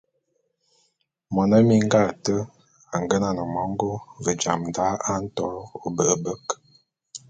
Mone minga ate a ngenan mongô, ve jam da a nto ôbe’ebek.